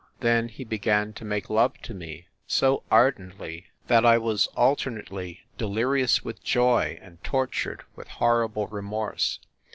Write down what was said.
Then he began to make love to me so ardently that I was alternately delirious with joy and tortured with hor rible remorse.